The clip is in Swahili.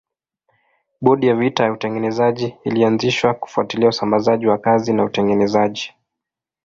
Bodi ya vita ya utengenezaji ilianzishwa kufuatilia usambazaji wa kazi na utengenezaji.